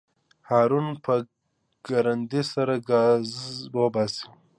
هارون په کرندي سره ګازر وباسي.